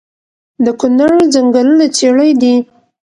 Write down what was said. د کونړ ځنګلونه څیړۍ دي